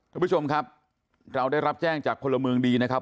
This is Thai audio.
ทุกผู้ชมครับเราได้รับแจ้งจากพลเมืองดีนะครับ